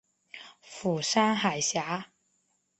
釜山海峡。